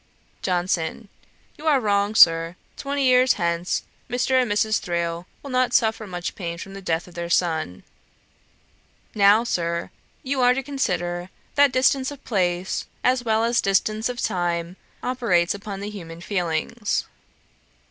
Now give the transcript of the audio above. JOHNSON. 'You are wrong, Sir; twenty years hence Mr. and Mrs. Thrale will not suffer much pain from the death of their son. Now, Sir, you are to consider, that distance of place, as well as distance of time, operates upon the human feelings.